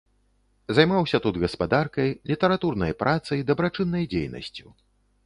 Займаўся тут гаспадаркай, літаратурнай працай, дабрачыннай дзейнасцю.